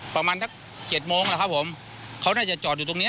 ประมาณสักเจ็ดโมงแล้วครับผมเขาน่าจะจอดอยู่ตรงเนี้ย